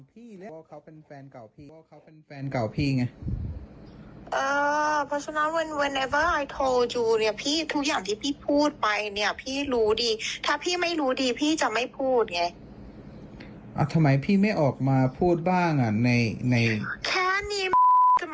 พี่ยังพร้อมจะไปตบกับแม่เลยเนี่ย